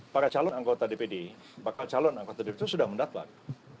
para calon anggota dpd bakal calon anggota dpd itu sudah mendaftar